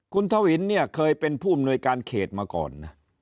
คุณทวินเนี่ยเคยเป็นผู้อำนวยการเขตมาก่อนนะ